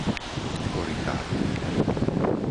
Korytárky